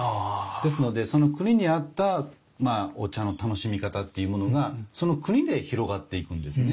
ですのでその国に合ったまあお茶の楽しみ方っていうものがその国で広がっていくんですね。